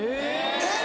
えっ